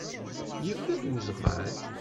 Yebda-d uzɣal.